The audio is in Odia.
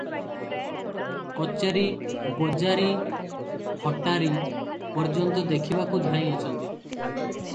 କଚେରିଆ, ବଜାରୀ ହଟାରୀ ପର୍ଯ୍ୟନ୍ତ ଦେଖିବାକୁ ଧାଇଁଅଛନ୍ତି ।